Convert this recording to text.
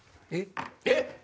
えっ？